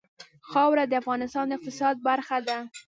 خاوره د افغانستان د اقتصاد برخه ده.